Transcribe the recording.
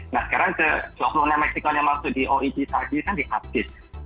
nah sekarang ke dua puluh nya meksikonya masuk di oed tadi kan di abis